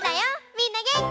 みんなげんき？